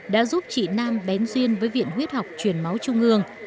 đã giúp chị nam bén duyên với viện huyết học truyền máu trung ương